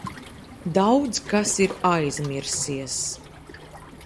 Daudz kas ir aizmirsies.